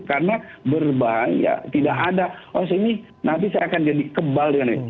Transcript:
karena berbahaya tidak ada